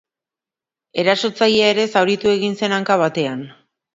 Erasotzailea ere zauritu egin zen hanka batean.